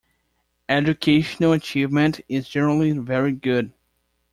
Educational achievement is generally very good.